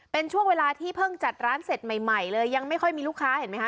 เป็นช่วงเวลาที่เพิ่งจัดร้านเสร็จใหม่เลยยังไม่ค่อยมีลูกค้าเห็นไหมค